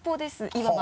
いわば。